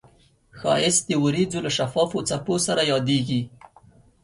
ښایست د وریځو له شفافو څپو سره یادیږي